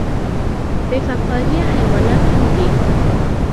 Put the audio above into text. بې فقاریه حیوانات کوم دي؟